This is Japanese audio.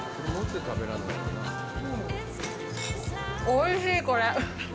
おいしい、これ。